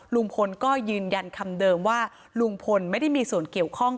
ลุงพลก็ยืนยันคำเดิมว่าลุงพลไม่ได้มีส่วนเกี่ยวข้อง